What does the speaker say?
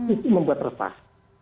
itu membuat retah